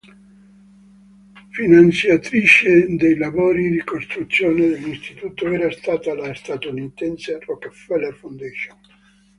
Finanziatrice dei lavori di costruzione dell'Istituto era stata la statunitense Rockefeller Foundation.